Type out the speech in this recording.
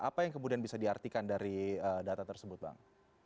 apa yang kemudian bisa diartikan dari data tersebut bang